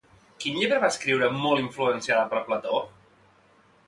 Quin llibre va escriure molt influenciada per Plató?